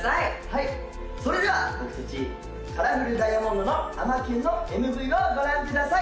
はいそれでは僕達カラフルダイヤモンドの「あまキュン」のＭＶをご覧ください！